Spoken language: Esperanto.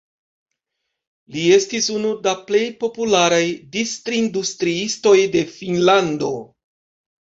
Li estis unu da plej popularaj distrindustriistoj de Finnlando.